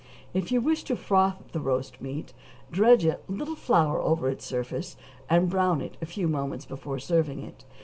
If you wish to froth roast meat, dredge a little flour over its surface, and brown it a few moments before serving it.